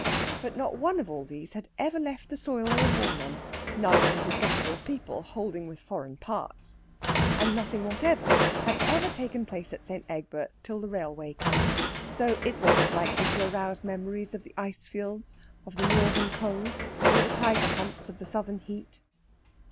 But not one of all these had ever left the soil they were born on, none of Mrs. Gattrell's people holding with foreign parts. And nothing whatever had ever taken place at St. Egbert's till the railway come; so it wasn't likely to arouse memories of the ice fields of the northern cold or the tiger hunts of the southern heat.